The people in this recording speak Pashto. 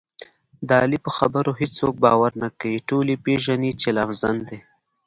د علي په خبرو هېڅوک باور نه کوي، ټول یې پېژني چې لافزن دی.